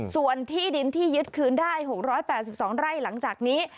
ส่วนที่ดินที่ยึดคืนได้๖๘๒ไร่หลังจากนี้